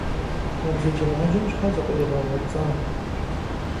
Мо бзаджэнаджэм щхьэ зыкъригъэгъэпцӏа?